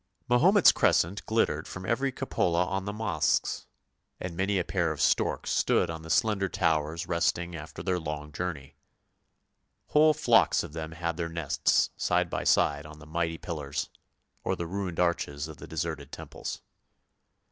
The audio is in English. Mahomet's crescent glittered from every cupola on the mosques, and many a pair of storks stood on the slender towers resting after their long journey. Whole flocks of them had their nests side by side on the mighty pillars, or the ruined arches of the deserted temples.